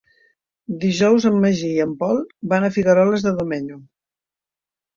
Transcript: Dijous en Magí i en Pol van a Figueroles de Domenyo.